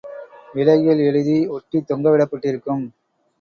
விலைகள் எழுதி ஒட்டித் தொங்கவிடப்பட்டிருக்கும்.